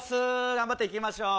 頑張っていきましょう。